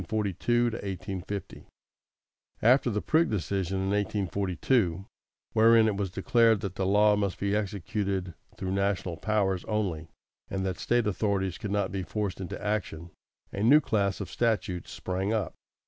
= After the Prigg decision in 1842, wherein it was declared that the law must be executed through national powers only, and that State authorities could not be forced into action, a new class of statutes sprang up.